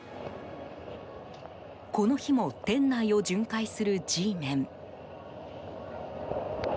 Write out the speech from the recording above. この日も店内を巡回するＧメン。